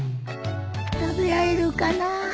食べられるかな？